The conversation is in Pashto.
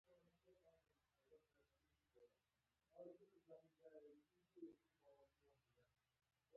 تاریخ د یوه قوم روح دی.